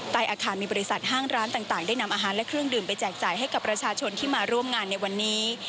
อาคารมีบริษัทห้างร้านต่างได้นำอาหารและเครื่องดื่มไปแจกจ่ายให้กับประชาชนที่มาร่วมงานในวันนี้